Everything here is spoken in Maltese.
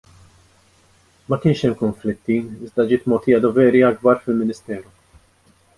Ma kienx hemm konflitti iżda ġiet mogħtija doveri akbar fil-Ministeru.